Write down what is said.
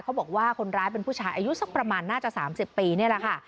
เขาบอกว่าคนร้ายเป็นผู้ชายอายุสักประมาณน่าจะ๓๐ปีนี่แหละค่ะ